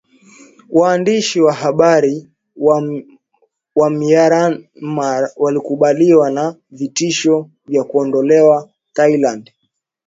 Waandishi wa Habari wa Myanmar wakabiliwa na vitisho vya kuondolewa Thailand